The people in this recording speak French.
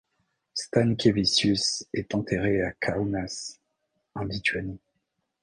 Stankevičius est enterré à Kaunas, en Lituanie.